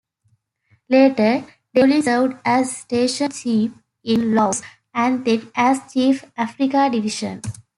Later, Devlin served as station chief in Laos, and then as chief, Africa Division.